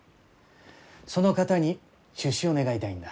その方に出資を願いたいんだ。